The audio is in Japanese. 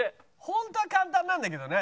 ホントは簡単なんだけどね。